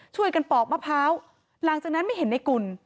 ช่วยกันปอกมะพร้าวหลังจากนั้นไม่เห็นในกุล